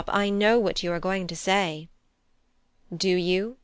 I know what you are going to say." "Do you?"